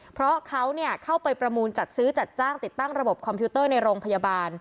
เพราะเขาเข้าไปประมูลจัดซื้อจัดจ้างติดตั้งระบบคอมพิวเตอร์ในโรงพยาบาล